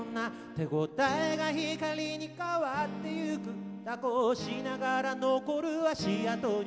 「手応えが光に変わっていく蛇行しながら残る足跡に」